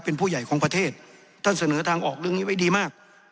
เป็นผู้ใหญ่ของประเทศท่านเสนอทางออกเรื่องนี้ไว้ดีมาก